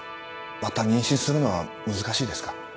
また妊娠するのは難しいですか？